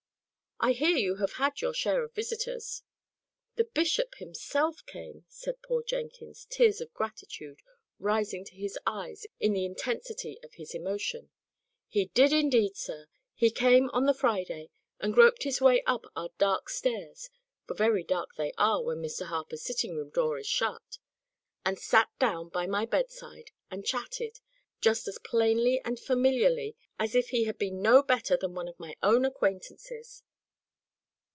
"I hear you have had your share of visitors." "The bishop himself came," said poor Jenkins, tears of gratitude rising to his eyes in the intensity of his emotion. "He did, indeed, sir. He came on the Friday, and groped his way up our dark stairs (for very dark they are when Mr. Harper's sitting room door is shut), and sat down by my bedside, and chatted, just as plainly and familiarly as if he had been no better than one of my own acquaintances.